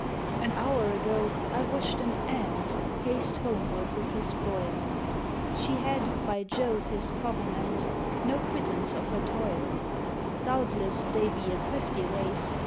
An hour ago I watched an ant Haste homeward with her spoil; She had, by Jove his covenant, No quittance of her toil; Doubtless they be a thrifty race.